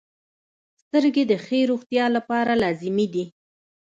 • سترګې د ښې روغتیا لپاره لازمي دي.